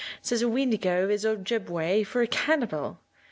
says a weendigo is Ojibbeway for a cannibal.